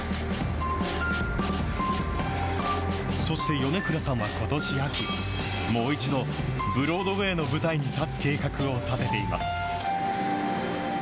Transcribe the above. そして米倉さんはことし秋、もう一度ブロードウェイの舞台に立つ計画を立てています。